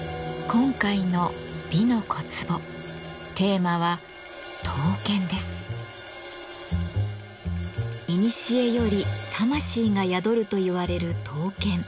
今回の「美の小壺」テーマはいにしえより魂が宿るといわれる刀剣。